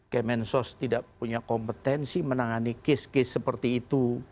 kemensos tidak punya kompetensi menangani kes kes seperti itu